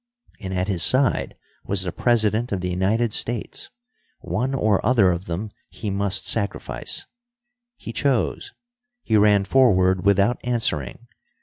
And at his side was the President of the United States. One or other of them he must sacrifice. He chose. He ran forward without answering.